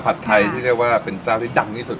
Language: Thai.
ไทยที่เรียกว่าเป็นเจ้าที่ดังที่สุด